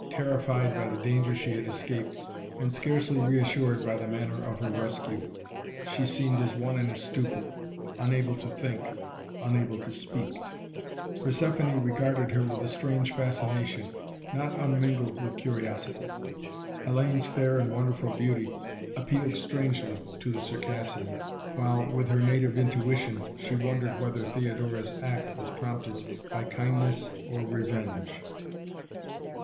Terrified by the danger she had escaped, and scarcely reassured by the manner of her rescue she seemed as one in a stupor, unable to think, unable to speak. Persephoné regarded her with a strange fascination, not unmingled with curiosity. Hellayne's fair and wonderful beauty appealed strangely to the Circassian, while, with her native intuition, she wondered whether Theodora's act was prompted by kindness or revenge.